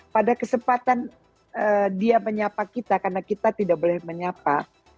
pada kesempatan dia menyapa kita karena kita tidak boleh menyapa